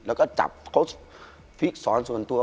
แล้วก็จับสอนส่วนตัว